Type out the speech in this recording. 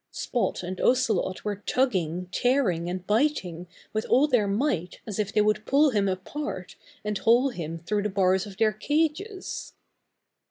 Spot and Ocelot were tugging, tearing and biting with all their might as if they would pull him apart and haul him through the bars of their cages.